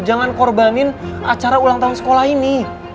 jangan korbanin acara ulang tahun sekolah ini